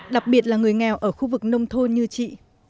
đặc biệt là người nghèo ở khu vực nông thôn như chị